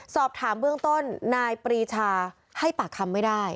สอบถามเบื้องต้นนายปรีชาให้ปากคำไม่ได้